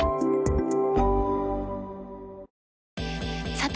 さて！